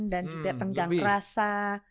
dan juga tenggang rasa